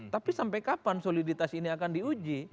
tapi sampai kapan soliditas ini akan diuji